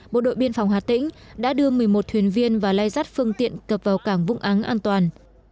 bộ đội biên phòng hà tĩnh đã đưa một mươi một thuyền viên và lai rắt phương tiện cập vào cảng vũng áng an toàn